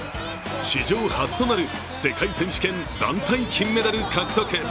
史上初となる世界選手権団体金メダル獲得。